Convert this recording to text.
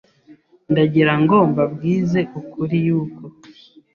ndagirango mbabwize ukuri yuko